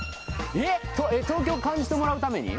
えっ東京を感じてもらうために？